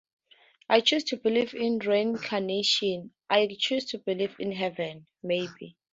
I chose to believe in reincarnation I choose to believe in heaven, maybe